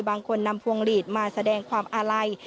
บางคนนำพวงหลีดมาแสดงความอาลัย